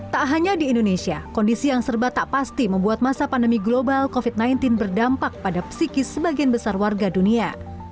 tak hanya di indonesia kondisi yang serba tak pasti membuat masa pandemi global covid sembilan belas berdampak pada psikis sebagian besar warga dunia